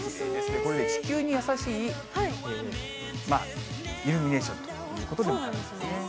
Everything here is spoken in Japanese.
これね、地球に優しいイルミネーションということなんですね。